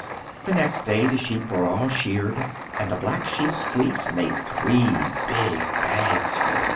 The next day the sheep were all sheared, and the Black Sheep's fleece made three big bagsful.